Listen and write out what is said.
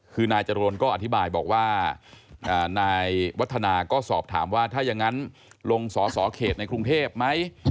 คือนายจรวนก็อธิบายบอกว่านายวัฒนาก็สอบถามว่าถ้ายังงั้นลงสอสอเขตในกรุงเทพไหม